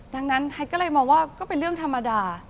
ดังนั้นแพทย์ก็เลยมองว่าก็เป็นเรื่องธรรมดา